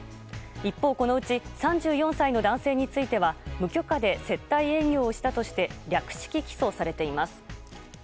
一方、このうち３４歳の男性については無許可で接待営業をしたとして略式起訴されています。